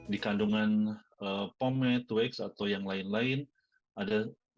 di kandungan pomade wax atau yang lain lain ada bahan bahan kimia